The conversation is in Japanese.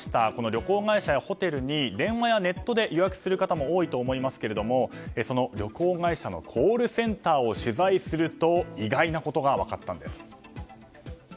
旅行会社やホテルに電話やネットで予約する方も多いと思いますけどその旅行会社のコールセンターを取材すると意外なことが分かったんです。